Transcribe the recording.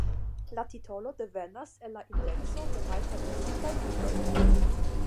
La titolo devenas el la indekso de malpermesitaj libroj.